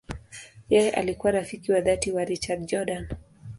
Yeye alikuwa rafiki wa dhati wa Richard Jordan.